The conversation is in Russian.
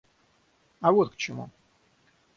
А вот к чему!